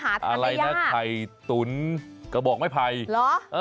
อะไรนะไทยตุ๋นก็บอกไม่ไพร